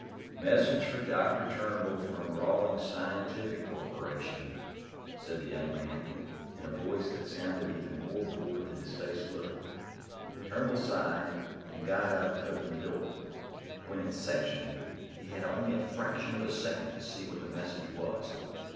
"Message for Dr. Turnbull from Rawlings Scientific Corporation," said the young man, in a voice that sounded even more bored than his face looked. Turnbull sighed and got up to open the door. When it sectioned, he had only a fraction of a second to see what the message was.